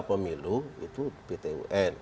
pemilu itu pt un